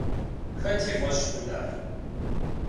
Хэт и фӏэщ хъун ар?